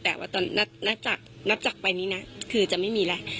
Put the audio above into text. แต่ว่าตอนนับจากไปนี้นะคือจะไม่มีแล้ว